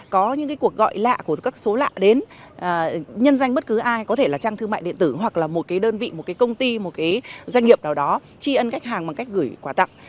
có những cái cuộc gọi lạ của các số lạ đến nhân danh bất cứ ai có thể là trang thương mại điện tử hoặc là một cái đơn vị một cái công ty một cái doanh nghiệp nào đó tri ân khách hàng bằng cách gửi quà tặng